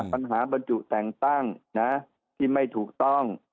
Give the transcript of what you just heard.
ปัญหาบรรจุแสงตั้งนะที่ไม่ถูกต้อง